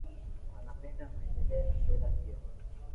wanapenda waendelee na sera hiyo